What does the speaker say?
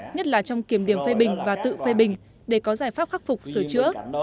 nhất là trong kiểm điểm phê bình và tự phê bình để có giải pháp khắc phục sửa chữa